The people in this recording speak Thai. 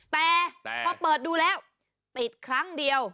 แต่พอเปิดดูแล้วติดครั้งเดียว